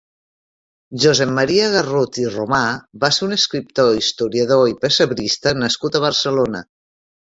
Josep Maria Garrut i Romà va ser un escriptor, historiador i pessebrista nascut a Barcelona.